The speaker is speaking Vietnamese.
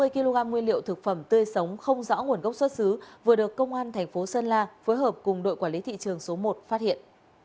bốn trăm sáu mươi kg nguyên liệu thực phẩm tươi sống không rõ nguồn gốc xuất xứ vừa được công an tp sơn la phối hợp cùng đội quản lý thị trường số một phát hiện